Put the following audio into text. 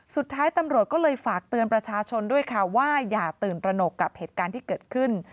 สุดท้ายตำรวจก็เลยฝากเตือนประชาชนด้วยค่ะว่าอย่าตื่นตระหนกกับเหตุการณ์ที่เกิดขึ้น